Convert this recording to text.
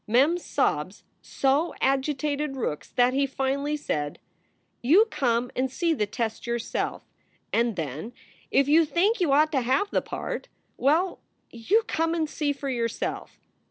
Mem s sobs so agitated Rookes that he finally said: "You come and see the test yourself, and then, if you think you ought to have the part Well you come and see for yourself."